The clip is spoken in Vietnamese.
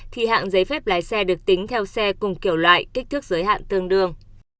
thì hạng giấy phép lái xe được tính theo xe cùng kiểu loại kích thước giới hạn tương đương